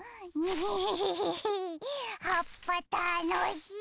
エヘヘヘヘヘはっぱたのしい！